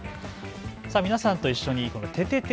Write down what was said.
皆さんと一緒にててて！